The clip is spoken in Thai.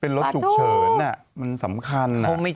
เป็นรถฉุกเฉินมันสำคัญ